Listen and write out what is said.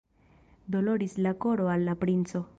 Doloris la koro al la princo!